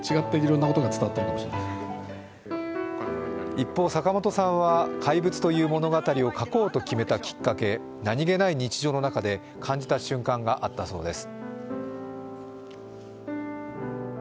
一方、坂元さんは「怪物」という物語を書こうと決めたきっかけ、何気ない日常の中で感じた瞬間があったそうです。